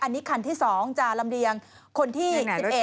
อันนี้คันที่๒จะลำเรียงคนที่๑๑